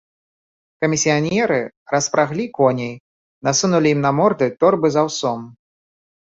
Камісіянеры распраглі коней, насунулі ім на морды торбы з аўсом.